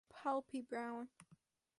Palpi brown.